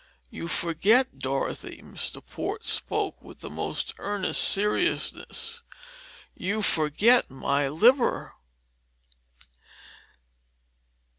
You forget, Dorothy" Mr. Port spoke with a most earnest seriousness "you forget my liver."